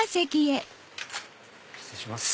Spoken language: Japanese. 失礼します。